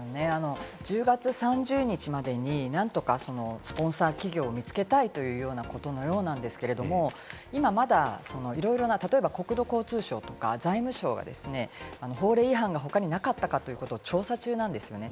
１０月３０日までに、何とかスポンサー企業を見つけたいというようなことのようなんですけれど、今まだ、いろいろな例えば国土交通省とか財務省が法令違反が他にもなかったかということを調査中なんですよね。